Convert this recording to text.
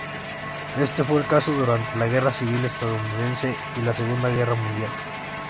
Este fue el caso durante la Guerra Civil Estadounidense y la Segunda Guerra mundial.